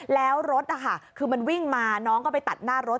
แล้วรถนะคะคือมันวิ่งมาน้องก็ไปตัดหน้ารถ